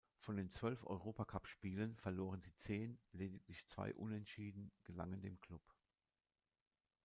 Von den zwölf Europacup-Spielen verloren sie zehn, lediglich zwei Unentschieden gelangen dem Club.